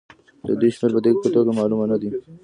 د دوی شمېر په دقيقه توګه معلوم نه دی.